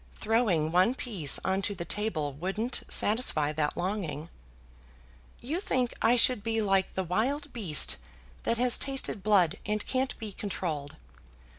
"Throwing one piece on to the table wouldn't satisfy that longing." "You think I should be like the wild beast that has tasted blood, and can't be controlled.